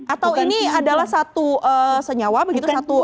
atau ini adalah satu senyawa begitu